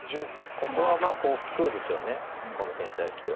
ここはまあこうくるでしょうこの手に対しては。